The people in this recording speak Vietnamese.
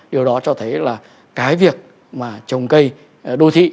điều đó cho thấy là cái việc mà trồng cây đô thị